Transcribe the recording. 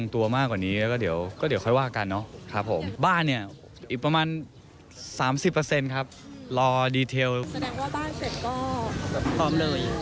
แสดงว่าบ้านเสร็จก็พร้อมเลย